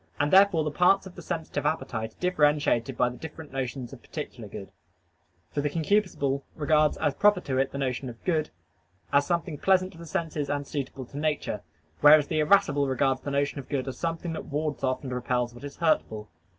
And therefore the parts of the sensitive appetite are differentiated by the different notions of particular good: for the concupiscible regards as proper to it the notion of good, as something pleasant to the senses and suitable to nature: whereas the irascible regards the notion of good as something that wards off and repels what is hurtful.